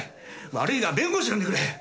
悪いが弁護士を呼んでくれ！